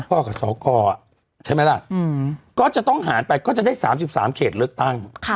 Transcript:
กับสกใช่ไหมล่ะก็จะต้องหารไปก็จะได้๓๓เขตเลือกตั้ง